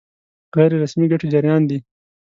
غیر رسمي ګټې جريان دي.